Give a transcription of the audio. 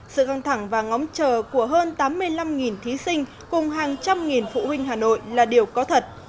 sự căng thẳng và ngóng chờ của hơn tám mươi năm thí sinh cùng hàng trăm nghìn phụ huynh hà nội là điều có thật